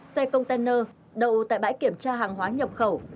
xe container đậu tại bãi kiểm tra hàng hóa nhập khẩu